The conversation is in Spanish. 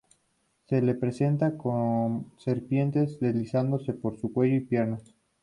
Se le representa con serpientes deslizándose por su cuello y piernas.